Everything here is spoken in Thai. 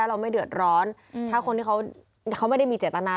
เราไม่เดือดร้อนถ้าคนที่เขาไม่ได้มีเจตนา